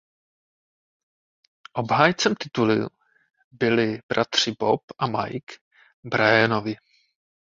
Obhájcem titulu byli bratři Bob a Mike Bryanovi.